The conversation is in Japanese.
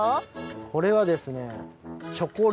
これはですね